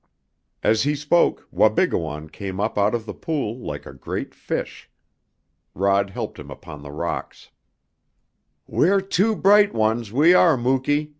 As he spoke Wabigoon came up out of the pool like a great fish. Rod helped him upon the rocks. "We're two bright ones, we are, Muky!"